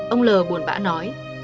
ông l buồn bã nói